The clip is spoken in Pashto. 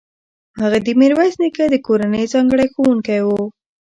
هغه د میرویس نیکه د کورنۍ ځانګړی ښوونکی و.